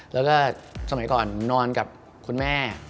แล้วก็สมัยก่อนนอนกับคุณแม่